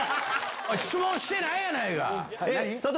質問してないやないか。